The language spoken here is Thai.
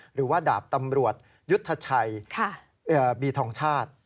หรือว่าดาบตำรวจยุทธชัยบีทองชาติ